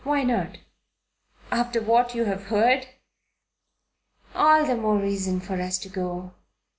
"Why not?" "After what you have heard?" "All the more reason for us to go."